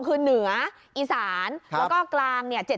คือเหนืออีสานแล้วก็กลางเนี่ย